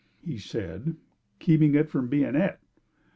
He said, "Keeping it from being et!